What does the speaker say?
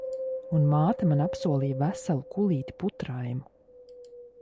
Un māte man apsolīja veselu kulīti putraimu.